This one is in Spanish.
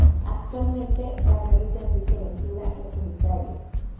Actualmente la realiza Enrique Ventura en solitario.